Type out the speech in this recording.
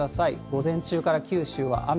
午前中から九州は雨。